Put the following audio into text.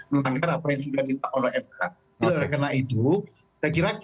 melanggar apa yang sudah ditetapkan oleh mk